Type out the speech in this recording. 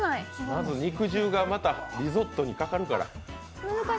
まず肉汁がまた、リゾットにかかるから。